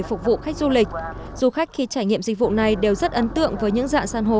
phục vụ khách du lịch du khách khi trải nghiệm dịch vụ này đều rất ấn tượng với những dạng san hô